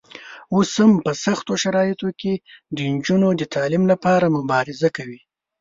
اوس هم په سختو شرایطو کې د نجونو د تعلیم لپاره مبارزه کوي.